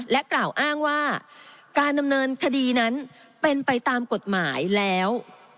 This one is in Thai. กล่าวอ้างว่าการดำเนินคดีนั้นเป็นไปตามกฎหมายแล้ว